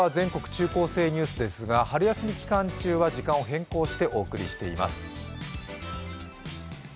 中高生ニュース」ですが、春休み期間中は時間を変更してお送りしています。